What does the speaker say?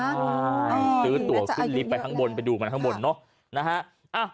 ตัวขึ้นลิฟไปทั้งบนไปดูมาทั้งบนเนาะ